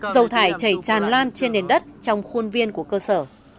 dầu thải chảy tràn lan trên nền đất trong khuôn viên của cơ sở